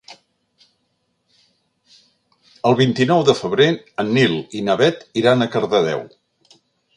El vint-i-nou de febrer en Nil i na Bet iran a Cardedeu.